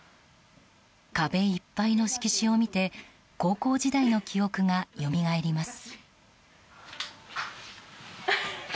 壁いっぱいの色紙を見て高校時代の記憶がよみがえります。